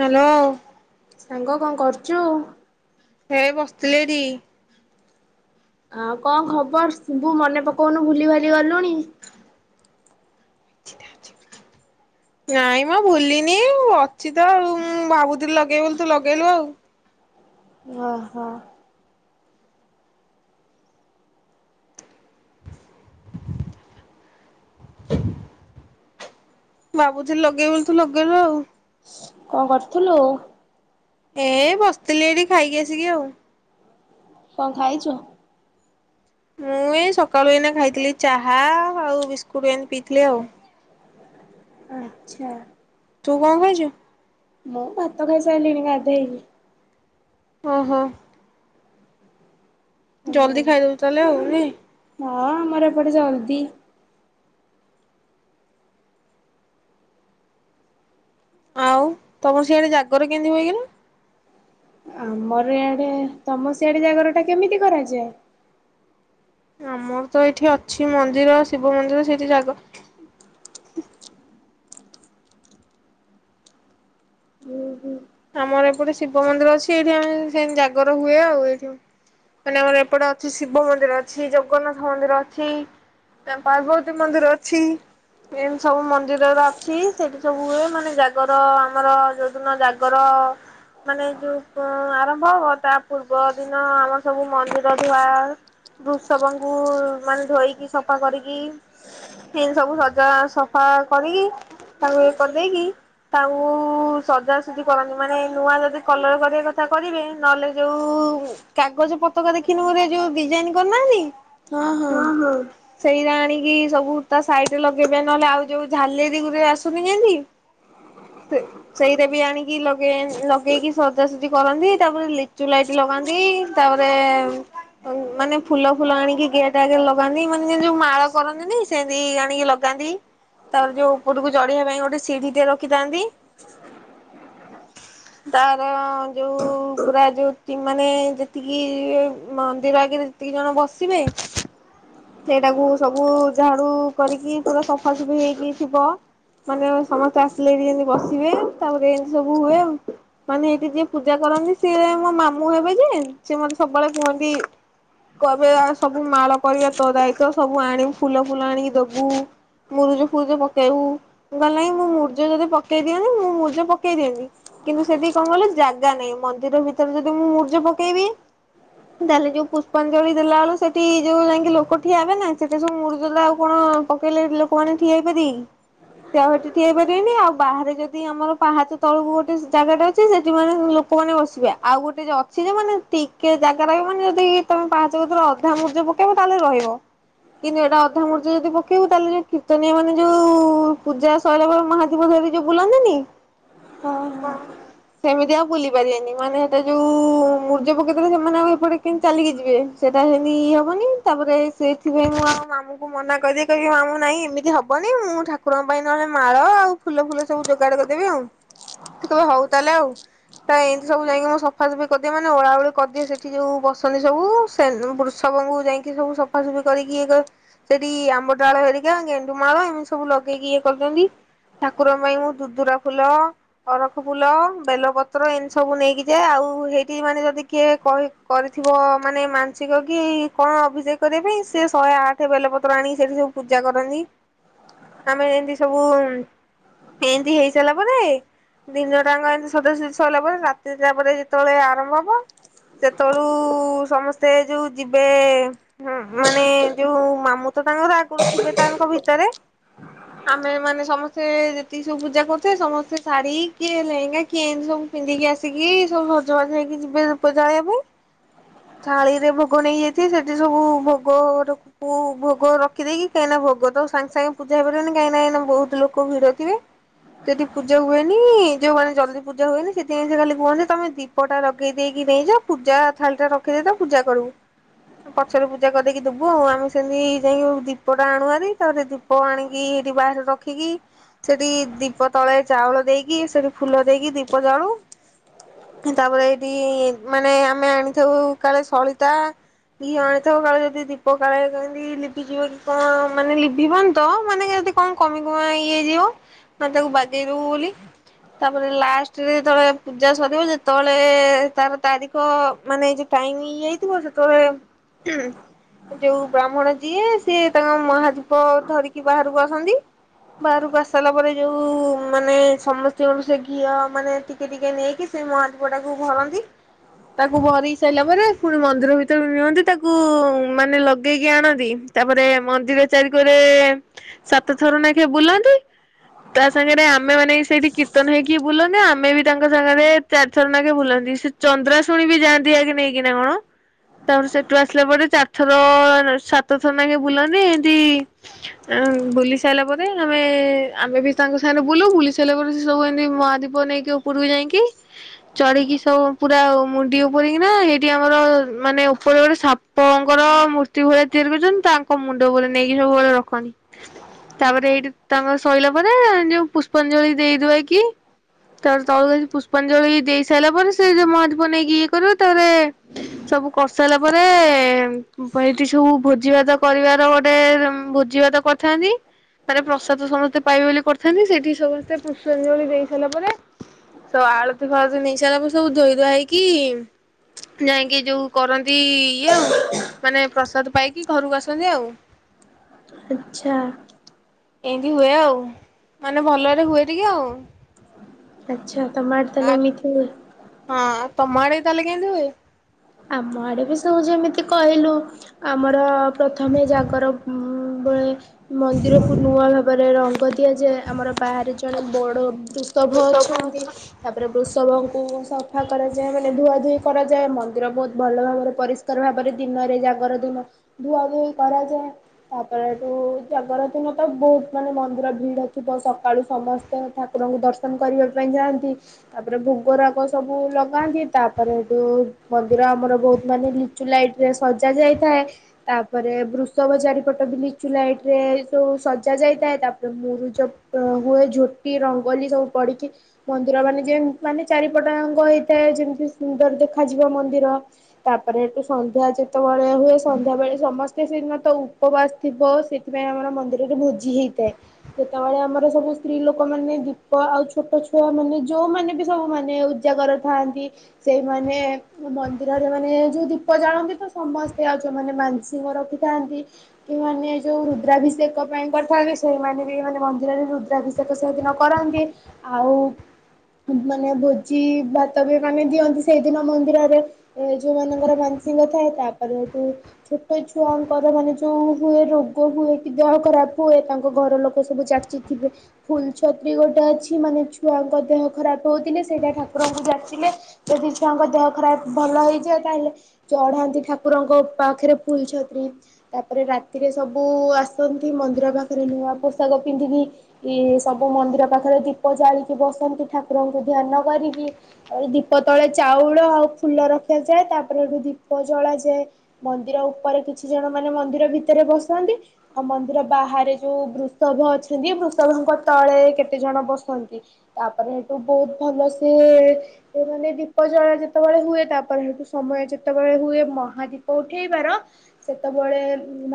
Hello. ସାଙ୍ଗ କଣ କରୁଛୁ? ହେଇ ବସିଥିଲି ଏଇଠି। ଆଉ କଣ ଖବର ସଭ ମନେ ପକଉନୁ ଭୁଲି ଭାଲି ଗଲୁଣି। ନାଇଁ ମ ଭୁଲିନି ଅଛି ତ ଆଉ ମୁଁ ଭାବୁଥିଲି ଲଗେଇବି ବୋଲି ତୁ ଲଗେଇଲୁ ଆଉ। ଓ ହୋ ଭାବୁଥିଲି ଲଗେଇବି ବୋଲି ତୁ ଲଗେଇଲୁ ଆଉ। କଣ କରୁଥିଲୁ? ଏ ବସିଥିଲି ଏଠି ଖାଇକି ଆସିକି ଆଉ। କଣ୍ ଖାଇଛୁ? ମୁଁ ଏ ସକାଳୁ ଏଇନା ଖାଇଥିଲି ଚାହା ଆଉ ବିସ୍କୁଟ ଏନ୍ତି ପିଇଥିଲି ଆଉ। ଆଛା ତୁ କଣ ଖାଇଛୁ? ମୁଁ ଭାତ ଖାଇସାରିଲିଣି ଗାଧେଇକି ଓହୋ ଜଲଦି ଖାଇଦଉ ତାହେଲେ ଆଉ ନାହିଁ। ହଁ ଆମର ଏପଟେ ଜଲଦି ଆଉ ତମର ସିଆଡେ ଜାଗର କେମତି ହୁଏ କିଲୋ? ଆମର ଆଡେ ତମ ସିଆଡେ ଜାଗର ଟା କେମିତି କରାଯାଏ? ଆମର ତ ଏଇଠି ଅଛି ମନ୍ଦିର ଶିବ ମନ୍ଦିର ସେଇଠି ଜାଗ। ହୁଁ ହୁଁ ଆମର ଏପଟେ ଶିବ ମନ୍ଦିର ଅଛି, ଏଇଠି ଆମେ ସେମିତି ଜାଗର ହୁଏ ଆଉ ଏଠି ମାନେ ଆମର ଏପଟେ ଅଛି, ଶିବ ମନ୍ଦିର ଅଛି, ଜଗନ୍ନାଥ ମନ୍ଦିର ଅଛି, ପାର୍ବତୀ ମନ୍ଦିର ଅଛି, ଏମିତି ସବୁ ମନ୍ଦିର ଗୁରା ଅଛି ସେଠି ସବୁ ହୁଏ ମାନେ ଜାଗର ଆମର ଯୋଉଦିନ। ର ମାନେ ଯୋଉ ଆରମ୍ଭ ହବ ତା ପୂର୍ବ ଦିନ ଆମର ସବୁ ମନ୍ଦିର ଧୁଆ ବୃସବଙ୍କୁ ମାନେ ଧୋଇକି ସଫା କରିକି ସେତି ସବୁ ସଜା ସଫା କରିକି ତାକୁ ଇଏ କରିଦେଇକି ତାଙ୍କୁ ସଜା କରନ୍ତି ମାନେ ନୂଆ ଯଦି କଲର କରିବା କଥା କରିବେ ନହେଲେ ଯୋଉ କାଗଜ ପତକା ଦେଖିନୁ ଯୋଉ ଡିଜାଇନ କରନାହାନ୍ତି। ହଁ ହଁ ସେଇରେ ଆଣିକି ସବୁ ତା ସାଇଡରେ ଲଗେଇବେ ନହେଲେ ଆଉ ଯୋଉ ଝାଲେରି ଆସୁନି ଯେମତି ସେଇରେ ବି ଆଣି ଲଗେଇ ଲଗେଇକି ସଜାସଜି କରନ୍ତି ତାପରେ ଲିଚୁ ଲାଇଟ ଲଗାନ୍ତି ତାପରେ ମାନେ ଫୁଲ ଫୁଲ ଆଣିକି ଗେଟ ଆଗରେ ଲଗାନ୍ତି ମାନେ ସେ ଯୋଉ ମାଳ କରନ୍ତିନି ସେମତି ଆଣିକି ଲଗାନ୍ତି ତାପରେ ଯୋଉ ଉପରକୁ ଚଢିବା ପାଇଁ ଗୋଟେ ସିଢି ଟେ ରଖିଥାନ୍ତି। ତାର ଯୋଉ ପୁରା ଯୋଉ ମାନେ ଯେତିକି ମନ୍ଦିର ଆଗରେ ଯେତିକି ଜଣ ବସିବେ। ସେଇଟାକୁ ସବୁ ଝାଡୁ କରିକି ପୁରା ସଫାସଫି ହେଇକି ଥିବ ମାନେ ସମସ୍ତେ ଆସିଲେ ଏଇଠି ଯେମତି ବସିବେ ତାପରେ ଏମତି ସବୁ ହୁଏ ମାନେ ଏଇଠି ଯିଏ ପୂଜା କରନ୍ତି ସିଏ ଆମ ମାମୁଁ ହେବେ ଯେ ସେ ମତେ ସବୁବେଳେ କୁହନ୍ତି କହିବେ ସବୁ ମାଳ କରିବା। ତ ଦାୟିତ୍ୱ ସବୁ ଆଣି ଫୁଲ ଫୁଲ ଆଣିକି ଦବୁ ମୁରୁଜ ଫୁରୁଜ ପକେଇବୁ ଗଲେ ମୁଁ ମୂର୍ଜ ଯଦି ପକେଇ ଦିଅନ୍ତି ମୁଁ ମୁୂର୍ଜ ପକେଇ ଦିଅନ୍ତି କିନ୍ତୁ ସେଠି କଣ ଗଲେ ଜାଗା ନାହିଁ ମନ୍ଦିର ଭିତରେ ଯଦି ମୁଁ ମୂର୍ଜ ପକେଇବି ତାହେଲେ ଯୋଉ ପୁଷ୍ପାଞ୍ଜଳି ଦେଲାବେେଳ ସେଠି ଯୋଉ ଯାଇକି। ଲୋକ ଠିଆହେବେ ନା ସେଠି ସବୁ ମୁର୍ଜ ଟା ଆଉ କଣ ପକେଇଲେ ଲୋକମାନେ ଠିଆ ହେଇ ପାରିବେ କି ସେ ଆଉ ସେଠି ଠିଆ ହେଇପାରିବେନି ଆଉ ବାହାରେ ଯଦି ଆମର ପାହାଚ ତଳକୁ ଗୋଟେ ଜାଗା ଟା ଅଛି ସେଠି ମାନେ ଲୋକମାନେ ବସିବେ ଆଉ ଗୋଟେ ଅଛି ଯେ ମାନେ ଟିକେ ଜାଗା ଟା ମାନେ ଯଦି ତମେ ପାହାଚ କତିରେ ଅଧା ମୂର୍ଜ ପକେଇବ ତାହେଲେ ରହିବ। କିନ୍ତୁ ଏଇଟା ଅଧା ମୂର୍ଜ୍ ଯଦି ପକେଇବୁ ତାହେଲେ ଯୋଉ କୀର୍ତ୍ତନଆ ମାନେ ଯୋଉ ପୂଜା ସରିଲା ପରେ ମହାଦୀପ ଧରି ଯୋଉ ବୁଲନ୍ତିନି। ହଁ। ସେମିତି ଆ ବୁଲି ପାରିବେନି ମାନେ ସେଟା ଯୋଉ ମୂର୍ଜ ପକେଇ ଦେଲେ ସେମାନେ ଆଉ ଏପଟେ କେମତି ଚାଲିକି ଯିବେ ସେଇଟା ସେମିତି ଇ ହବନି ତାପରେ ସେଇଥିପାଇଁ ମୁଁ ଆଉ ମାମୁଁଙ୍କୁ ମନା କରିଦିଏ କହିବି ମାମୁଁ ନାଇଁ ଏମିତି ହବନି ମୁଁ ଠାକୁରଙ୍କ ପାଇଁ ନହେଲେ ମାଳ ଆଉ ଫୁଲ ଫୁଲ ସବୁ ଯୋଗାଡ କରିଦେବି ଆଉ ସେ କିବ ହଉ ତାଲେ ଆଉ ତା ଏମିତି ସବୁ ଯାଇକି ମୁଁ ସଫାସଫି କରିଦିବ ମାନେ ଓଳା ଓଳି କରିଦିଏ ସେଠି ଯୋଉ ବସନ୍ତି ସବୁ ସେ ବୃଷବଙ୍କୁ ଯାଇକି ସବୁ ସ ସୁଫି କରିକି ଇଏ ସେଠି ଆମ୍ବ ଡାଳ ହେରିକା ଗେଣ୍ଡୁମାଳ ଏମିତି ସବୁ ଲଗେଇକି ଇଏ କରୁଛନ୍ତି ଠାକୁରଙ୍କ ପାଇଁ ମୁଁ ଦୁଦୁରା ଫୁଲ ଅରଖ ଫୁଲ ବେଲପତ୍ର ଏମିତି ସବୁ ନେଇକି ଯାଏ ଆଉ ସେଇଠି ମାନେ ଯଦି କିଏ କହି କରିଥିବ ମାନେ ମାନସିକ କି କଣ ଅଭିଯେକ କରିବା ପାଇଁ ସେ ଶହେ ଆଠ ବେଲପତ୍ର ଆଣିକି ସେଠି ସବୁ ପୂଜା କରନ୍ତି ଆମେ ଏମତି ସବୁ ଏମିତି ହେଇ ସାରିଲା ପରେ ଦିନ ଟାଙ୍କ ଏମତି ସଦ ସରିଲା ପରେ ରାତି ସିଲଲା ପରେ ଯେତେବେଳେ ଆରମ୍ଭ ହବ ସେତେବେଳୁ ସମସ୍ତେ ଯୋଉ ଯିବେ ହୁଁ ମାନେ ଯୋଉ ମାମୁଁ ତ ତାଙ୍କର ଆଗରୁ ଥିବେ ତାଙ୍କ ଭିତରେ ଆମେ ମାନେ ସମସ୍ତେ ଯେତିକି ସବୁ ପୂଜା କରୁଥେ ସମସ୍ତେ ଶାଢୀ କିଏ ଲେହେଙ୍ଗା କିଏ ଏମିତି ସବୁ ପିନ୍ଧିକି ଆସିକି ସବୁ ସଜବାଜ ହେଇକି ଯିବେ ଧୂପ ଜଳବା ପାଇଁ ଥାଳିରେ ଭୋଗ ନେଇକି ଯାଇଥିବେ ସେଠି ସବୁ ଭୋଗ ଭୋଗ ରଖିଦେଇକି କାହିଁକିନା ଭୋଗ ତ ସାଙ୍ଗେ ସାଙ୍ଗେ ପୂଜା ହେଇପାରିବନି କାହିଁକି ଏନା ବହୁତ ଲୋକ ଭିଡ ଥିବେ ଯଦି ପୂଜା ହୁଏନି ଯୋଉମାନେ ଜଲଦି ପୂଜା ହୁଏନି ସେଥିପାଇଁ ସେ ଖାଲି କୁହନ୍ତି ତମେ ଦୀପ ଟା ଲଗେଇ ଦେଇେଇକି ନେଇଯାଅ ପୂଜା ଥାଳି ଟା ରଖିଦେଇ ତ ପୂଜା କରିବୁ। ପଛରେ ପୂଜା କରକି ଦବୁ ଆଉ ଆମେ ସେମିତି ଯାଇକି ଦୀପଟା ଆଣୁଆରି ତାପରେ ଦୀପ ଆଣିକି ଏଇଠି ବାହାରେ ରଖିକି ସେଠି ଦୀପ ତଳେ ଚାଉଳ ଦେଇକି ସେଠି ଫୁଲ ଦେଇକି ଦୀପ ଜାଳୁ ତାପରେ ଏଇଠି ମାନେ ଆମେ ଆଣିଥାଉ କାଳେ ସଳିତା କି ଅଣଥ କାଳେ ଯଦି ଦୀପକାାଳ କେମତି ଲିପିଯିବ କି କଣ ମାନେ ଲିଭିବନି ତ ମାନେ ଯଦି କଣ କମି କମା ଇଏ ହେଇଯିବ ମାନେ ତାକୁ ବାଜେଇ ଦବୁ ବୋଲି ତାପରେ ଲାଷ୍ଟରେ ଯେତେବେଳେ ପୂଜା ସରିବ ଯେତେବେଳେ ତାର ତାରିଖ ମାନେ ଟାଇ ଇ ହେଇଥିବ ସେତେବେଳେ ହୁଁ ଯୋଉ ବ୍ରାହ୍ମଣ ଯିଏ ସିଏ ତାଙ୍କ ମହାଜୀ ଧରିକି ବାହାରକୁ ଆସନ୍ତି ବାହାରକୁ ଆସାରିଲା ପରେ ଯୋଉ ମାନେ ସମସ୍ତଙ୍କର ସେ ଘିଅ ମାନେ ଟିକେ ଟିକେ ନେଇକି ସେ ମହାଦୀପ ଟାକୁ ଭରନ୍ତି ତାକୁ ଭରି ସାରିଲା ପରେ ପୁଣି ମନ୍ଦିର ଭିତରୁ ନିଅନ୍ତି। ତାକୁ ମାନେ ଲଗେଇକି ଆଣନ୍ତି ତାପରେ ମନ୍ଦିର ଚାରି କୋରେ ସାତ ଥର ନାଖେ ବୁଲନ୍ତି ତା ସାଙ୍ଗରେ ଆମେ ମାନେ ସେଇଠି କୀର୍ତ୍ତନ ହେଇକି ବୁଲନ୍ତି ଆମେ ବି ତାଙ୍କ ସାଙ୍ଗରେ ଚାରି ଥର ନାଖେ ବୁଲନ୍ତି ସେ ଚନ୍ଦ୍ରା ଶୁଣି ବି ଯାଆନ୍ତି ଆଗେ ନେଇକିନା କଣ ତାପରେ ସେ ଟୁ ଆସିଲା ପରେ ଚାରିଥର ସାତଥର ନେ ବୁଲନ୍ତିି ଏମତି ବୁଲି ସାଇିଲା ପରେ ଆମେ ଆମେ ବି ତାଙ୍କ ସାଙ୍ଗରେ ବୁଲୁ ବୁଲି ସାରିଲା ପରେ ସେ ସବୁ ଏମତି ମହାଦୀପ ନେଇକି ଉପରକୁ ଯାଇକି ଚଢିକି ସବୁ ପୁରା ମୁଣ୍ଡି ଉପରିକିନା ସେଇଠି ଆମର ମାନେ ଗୋଟେ ସାପଙ୍କର ମୂର୍ତ୍ତି ଭଳିଆ ତିଆରି କରୁଛନ୍ତି ତାଙ୍କ ମୁଣ୍ଡ ଉପ ନେଇକି ସବୁବେଳେ ରଖନି ତାପରେ ଏଇଠି ତାଙ୍କର ସରିଲା ପରେ ଯୋଉ ପୁଷ୍ପାଞ୍ଜଳି ଦେଇଦବାକି ତାପରେ ତ ପୁଷ୍ପାଞ୍ଜଳି ଦେଇ ସାରିଲା ପରେ ସେ ଯୋଉ ମହାଦୀପ ନେଇକି ଇଏ କରିବ ତାରେ ସବୁ କ ସାରିଲା ପରେ ସେଇଠି ସବୁ ଭୋଜି ଭାତ କରିବାର ଗୋଟେ ଭୋଜି ଭାତ କରିଥାନ୍ତି ମାନ ପ୍ରସାଦ ସମସ୍ତେ ପାଇ ବୋଲି କରିଥାନ୍ତି ସେଠି ସମସ୍ତେ ପୁଷ୍ପାଞ୍ଜଳି ଦେଇ ସାରିଲା ପରେ ସ ଆଳତି ଫାଳ ନେଇ ସାରିଲା ପରେ ସବୁ ଧୋଇ ଧୁଆ ହେଇକି ଯାଇକି ଯୋଉ କରନ୍ତି ଇଏ ଆଉ ମାନେ ପ୍ରସାଦ ପାଇକି ଘରକୁ ଆସନ୍ତି ଆଉ। ଆଛା ଏମିତି ହୁଏ ଆଉ ମାନେ ଭଲରେ ହୁଏ ଟିକେ ଆଉ ଆଛା ତମ ଆଡେ ତାହାଲେ ଆଉ ଏମିତି ହୁଏ। ହଁ ତମ ଆଡେ ତାହେଲେ କେମତି ହୁଏ? ଆମ ଆଡ଼େ ବି ସବୁ ଯେମିତି କହିଲୁ ଆମର ପ୍ରଥମେ ଜାଗର ବଳେ ମନ୍ଦିରକୁ ନୂଆ ଭାବରେ ରଙ୍ଗ ଦିଆଯାଏ ଆମର ବାହାରେ ଜଣେ ବଡ ବୃଷଭ ହୁଏ? ଅଛନ୍ତି ତାପରେ ବୃ ଉତ୍ସବଙ୍କୁ ସଫା କରାଯାଏ ମାନେ ଧୁଆଧୁଇ କରାଯାଏ ମନ୍ଦିର ବୋ ଭଲ ଭାବରେ ପରିଷ୍କାର ଭାବରେ ଦିନରେ ଜାଗର ଦିନ ଧୁଆ ଧୁଇ କରାଯାଏ ତାପରେ ଏଠୁ ଜାଗର ଦିନ ତ ବହୁତ ମାନେ ମନ୍ଦିର ଭିଡ଼ ଥିବ ସକାଳୁ ସମସ୍ତେ ଠାକୁରଙ୍କୁ ଦର୍ଶନ କରିବା ପାଇଁ ଯାଆନ୍ତି ତାପରେ ଭୋଗରାଗ ସବୁ ଲଗାନ୍ତି ତାପରେ ସେଠୁ ମି ଆମର ବହୁତ ମାନେ ଲିଚୁ ଲାଇଟ ରେ ସଜା ଯାଇଥାଏ ତାପରେ ବୃଷଭ ଚାରିପଟ ବି ଲିଚୁ ଲାଇଟ ରେ ସବୁ ସଜା ଯାଇଥାଏ ତାପରେ ମୁରୁଜ ହୁଏ ଝୋଟି ରଙ୍ଗୋଲି ସବୁ ପଡିକି ମନ୍ଦିର ମାନେ ଯେ ମାନେ ଚାରିପଟଙ୍କ ହେଇଥାଏ ଯେମତି ସୁନ୍ଦର ଦେଖାଯିବ ମ ମନ୍ଦିର ତାପରେ ଏଠୁ ସନ୍ଧ୍ୟା ଯେତେବେଳେ ହୁଏ ସନ୍ଧ୍ୟା ବେଳେ ସମସ୍ତେ ସେିନ ତ ଉପବାସ ଥିବ ସେଥିପାଇଁ ଆମର ମନ୍ଦିରରେ ଭୋଜି ହେଇଥାଏ ସେତେବେଳେ ଆମର ସବୁ ସ୍ତ୍ରୀ ଲୋକମାନୋନେ ଦୀପ ଆଉ ଛୋଟ ଛୁଆ ମାନେ ଯୋଉମାନେ ବି ସବୁମାନୋନେ ଉଜାଗର ଥାନ୍ତି ସେଇମାନେ ମନ୍ଦିରରେ ମାନେ ଯୋଉ ଦୀପ ଜାଳନ୍ତି ତ ସମସ୍ତେ ଆଉ ଯଉମାନେ ମାଂସିକ ରଖିଥାନ୍ତି କି ମାନେ ଯୋଉ ରୁଦ୍ରାଭିଷେକ ପାଇଁ କରିଥାନ୍ତି ସେଇମାନେ ବି ମାନେ ମନ୍ଦିରରେ ରୁଦ୍ରାଭିଷେକ ସେଦିନ କରନ୍ତି ଆଉ ମାନେ ଭୋଜି ଭାତ ବି ମାନେ ଦିଅନ୍ତି ସେଇଦିନ ମନ୍ଦିରରେ ଯୋଉ ମଙ୍କର ମାନସିକ ଥାଏ ତାପରେ ସେଠୁ ଛୋଟ ଛୁଆଙ୍କର ମାନେ ଯୋଉ ହୁଏ ରୋଗ ହୁଏ କି ଦେହ ଖରାପ ହୁଏ ତାଙ୍କ ଘର ଲୋକ ସବୁ ଚାଚିଥିବେ ଫୁଲ ଛତ୍ରୀ ଗୋଟେ ଅଛି ମାନେ ଛୁଆଙ୍କ ଦେହ ଖରାପ ହଉଥିଲେ ସେଇଟା ଠାକୁରଙ୍କୁ ଯାଚିଲେ ଯଦି ଛୁଆଙ୍କ ଦେହ ଖରାପ ଭଲ ହେଇଯାଏ ତାହେଲେ ଚଢ଼ାନ୍ତି ଠାକୁରଙ୍କ ପାଖରେ ଫୁଲ ଛତ୍ରୀ ତାପରେ ରାତିରେ ସବୁ ଆସନ୍ତି ମନ୍ଦିର ପାଖରେ ନୂଆ ପୋଷାକ ପିନ୍ଧିକି ସବୁ ମନ୍ଦିର ପାଖରେ ଦୀପ ଜାଳିକି ବସନ୍ତି ଠାକୁରଙ୍କୁ ଧ୍ୟାନ କରିକି ତାପରେ ଦୀପ ତଳେ ଚାଉଳ ଆଉ ଫୁଲ ରଖାଯାଏ ତାପରେ ସେଠୁ ଦୀପ ଜଳାଯାଏ ମନ୍ଦିର ଉପରେ କିଛି ଜଣ ମାନେ ମନ୍ଦିର ଭିତରେ ବସନ୍ତି ଆଉ ମନ୍ଦିର ବାହାରେ ଯୋଉ ବୃଷଭ ଅଛନ୍ତି ବୃଷଭଙ୍କ ତଳେ କେତେ ଜଣ ବସନ୍ତି ତାପରେ ସେଠୁ ବହୁତ ଭଲ ସେ ମାନେ ଦୀପ ଜଳା ଯେ ସେତେବେଳେ ହୁଏ ତାପରେ ସେଠୁ ସମୟ ଯେତେବେଳେ ହୁଏ ମହାଦୀପ ଉଠେଇବାର ସେତେବେଳେ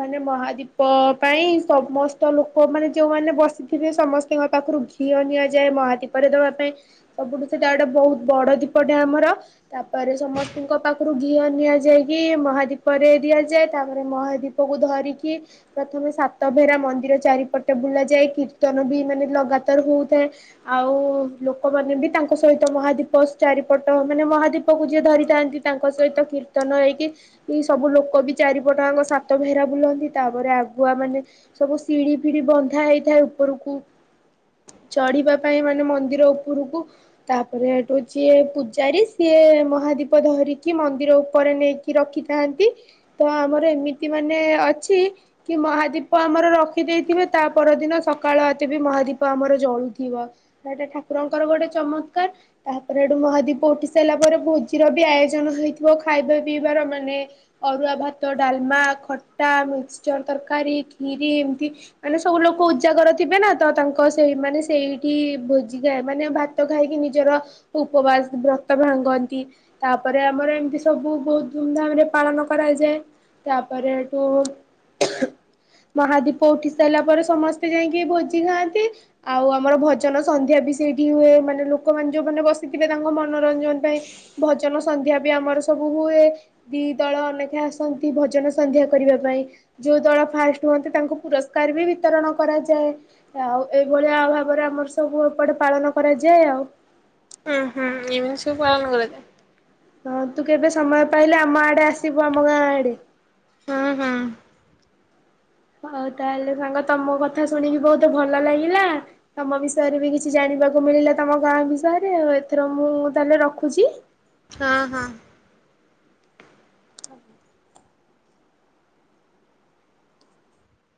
ମାନେ ମହାଦୀପ ପାଇଁ ସମସ୍ତ ଲୋକ ମାନେ ଯୋଉମାନେ ବସିଥିବେ ସମସ୍ତଙ୍କ ପାଖରୁ ଘିଅ ନିଆଯାଏ ମହାଦୀପରେ ଦବା ପାଇଁ ସବୁଠୁ ସେଟା ଗୋଟେ ବହୁତ ବଡ ଦୀପଟା ଆମର ତାପରେ ସମସ୍ତଙ୍କ ପାଖରୁ ଘିଅ ନିଆଯାଇକି ମହାଦୀପରେ ଦିଆଯାଏ ତାପରେ ମହାଦୀପ କୁ ଧରିକି ପ୍ରଥମେ ସାତଭେରା ମନ୍ଦିର ଚାରିପଟ ବୁଲା ଯାଏ କୀର୍ତ୍ତନ ବି ମାନେ ଲଗାତାର ହଉଥାଏ ଆଉ ଲୋକମାନେ ବି ତାଙ୍କ ସହିତ ମହାଦୀପ ଚାରିପଟ ମାନେ ମହାଦୀପ ଦୀପ କୁ ଯିଏ ଧରିଥାନ୍ତି ତାଙ୍କ ସହିତ କୀର୍ତ୍ତନ ହେଇକି ସବୁ ଲୋକ ବି ଚାରିପଟଙ୍କ ସାତ ଭେହେରା ବୁଲନ୍ତି ତାପରେ ଆଗୁଆ ମାନେ ସବୁ ସିଢି ଫିଡି ବନ୍ଧା ହେଇଥାଏ ଉପରକୁ ଚଢିବା ପାଇଁ ମାନେ ମନ୍ଦିର ଉପରକୁ ତାପରେ ଏଠୁଉଛି ପୂଜାରୀ ସେ ସିଏ ମହାଦୀପ ଧରିକି ମନ୍ଦିର ଉପରେ ନେଇକି ରଖିଥାନ୍ତି ତ ଆମର ଏମିତି ମାନେ ଅଛି କି ମହାଦୀପ ଆମର ରଖି ଦେଇେଇଥିବ ତା ପରଦିନ ସକାଳତେ ବି ମହାଦୀପ ଆମର ଜଳୁଥିବ ଏଟା ଠାକୁରଙ୍କର ଗୋଟେ ଚମତ୍କାର ତାପରେ ସେଠୁ ମହାଦୀପ ଉଠି ସା ସରିଲା ପରେ ଭୋଜିର ବି ଆୟୋଜନ ହେଇଥିବ ଖାଇବା ପିଇବାର ମାନେ ଅରୁଆ ଭାତ ଡାଲମା ଖଟା ମିକ୍ସଚର ତରକାରୀ ଖୀରି ଏମିତି ମାନେ ସବୁ ଲୋକ ଉଜାଗର ଥିବେ ନା ତ ତାଙ୍କ ସେଇ ମାନେ ସେଇଠି ଭୋଜି ଖାଇ ମାନେ ଭାତ ଖାଇକି ନିଜର ଉପବାସ ବ୍ରତ ଭାଙ୍ଗନ୍ତି ତାପରେ ଆମର ଏମିତି ସବୁ ବହୁତ ଧୁମଧାମ ରେ ପାଳନ କରାଯାଏ ତାପରେ ଏଠୁ ମହାଦୀପ ଉଠି ସାରିଲା ପରେ ସମସ୍ତେ ଯାଇକି ଭୋଜି ଖାଆନ୍ତି ଆଉ ଆମର ଭଜନ ସନ୍ଧ୍ୟା ବି ସେଇଠି ହୁଏ ମାନେ ଲୋକମାନେ ଯୋଉମାନୋନ ବସିଥିବେ ତାଙ୍କ ମନ ମନୋରଞ୍ଜନ ପାଇଁ ଭଜନ ସନ୍ଧ୍ୟା ବି ଆମର ସବୁ ହୁଏ ଦି ଦଳ ଅନେକ ଆସନ୍ତି ଭଜନ ସନ୍ଧ୍ୟା କରିବା ପାଇଁ ଯୋଉ ଦଳ ଫାଷ୍ଟ ହୁଅନ୍ତି ତାଙ୍କୁ ପୁରସ୍କାର ବି ବିତରଣ କରାଯାଏ ଆଉ ଏଇଭଳିଆ ଅଭାବରେ ଆମର ସବୁ ଏପଟେ ପାଳନ କରାଯାଏ ଆଉ। ହୁଁ ହୁଁ ଏମିତି ସବୁ ପାଳନ କରାଯାଏ। ହଁ ତୁ କେବେ ସମୟ ପାଇଲେ ଆମ ଆଡେ ଆସିବୁ ଆମ ଗାଁ ଆଡେ। ହଉ ତାହେଲେ ସାଙ୍ଗ ତମ କଥା ଶୁଣିବି ବହୁତ ଭଲ ଲାଗିଲା ତମ ବିଷୟରେ ବି କିଛି ଜାଣିବାକୁ ମିଳିଲା ତମ ଗାଁ ବିଷୟରେ ଆଉ ଏଥର ମୁଁ ତାହେଲେ ରଖୁଛି। ହଁ ହଁ